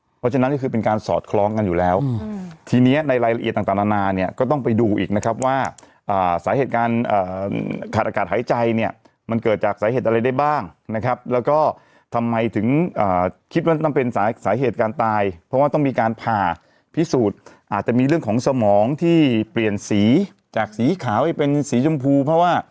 เพราะฉะนั้นก็คือเป็นการสอดคล้องกันอยู่แล้วทีนี้ในรายละเอียดต่างนานาเนี่ยก็ต้องไปดูอีกนะครับว่าสาเหตุการณ์ขาดอากาศหายใจเนี่ยมันเกิดจากสาเหตุอะไรได้บ้างนะครับแล้วก็ทำไมถึงคิดว่าต้องเป็นสาเหตุการตายเพราะว่าต้องมีการผ่าพิสูจน์อาจจะมีเรื่องของสมองที่เปลี่ยนสีจากสีขาวให้เป็นสีชมพูเพราะว่า